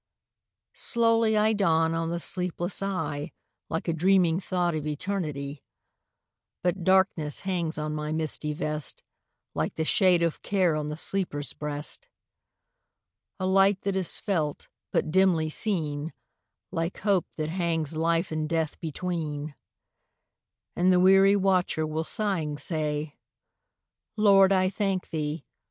Slowly I dawn on the sleepless eye, Like a dreaming thought of eternity; But darkness hangs on my misty vest, Like the shade of care on the sleeper's breast; A light that is felt but dimly seen, Like hope that hangs life and death between; And the weary watcher will sighing say, "Lord, I thank thee!